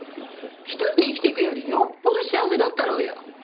一人で生きていくよりよっぽど幸せだったろうよ。